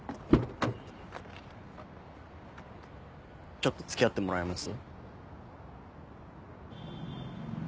ちょっと付き合ってもらえます？